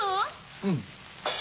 うん。